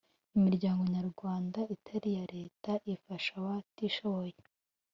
imiryango nyarwanda itari iya Leta ifasha abatishoboye